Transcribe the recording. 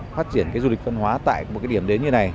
phát triển du lịch văn hóa tại một điểm đến như này